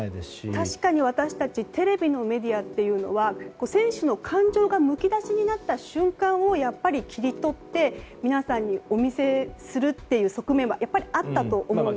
確かに、私たちテレビのメディアっていうのは選手の感情がむき出しになった瞬間を切り取って皆さんにお見せするという側面はやっぱり、あったと思うんですよね。